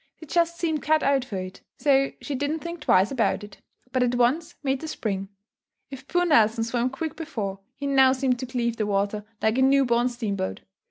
They just seemed cut out for it, so she didn't think twice about it, but at once made the spring. If poor Nelson swam quick before, he now seemed to cleave the water like a new born steam boat.